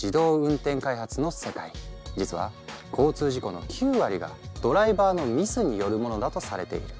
実は交通事故の９割がドライバーのミスによるものだとされている。